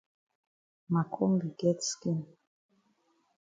Ma kombi get skin.